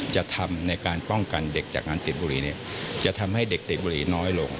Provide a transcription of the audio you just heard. จะทำในการป้องกันเด็กจากงานติดบุรีจะทำให้เด็กติดบุรีน้อยลง